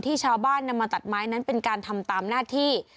ชาวบ้านนำมาตัดไม้นั้นเป็นการทำตามหน้าที่